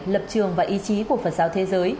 lập trường và ý chí của phật giáo thế giới